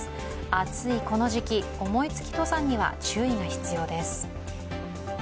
暑いこの時期、思いつき登山には注意が必要です。